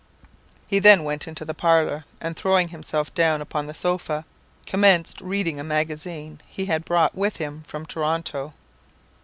"He then went into the parlour; and throwing himself down upon the sofa, commenced reading a magazine he had brought with him from Toronto.